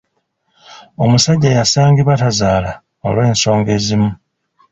Omusajja yasangibwa tazaala olw'ensonga ezimu.